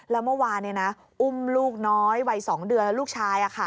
แล้วเมื่อวานอุ้มลูกน้อยวัย๒เดือนและลูกชาย